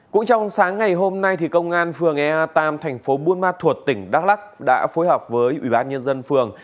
cũng trong sáng ngày hôm nay công an phường ea ba tp buôn ma thuột tỉnh đắk lắc đã phối hợp với ubnd phường